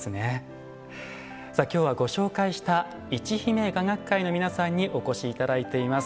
さあ今日はご紹介したいちひめ雅楽会の皆さんにお越し頂いています。